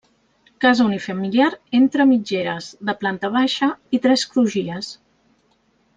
Casa unifamiliar entre mitgeres, de planta baixa i tres crugies.